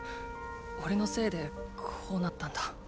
おれのせいでこうなったんだ。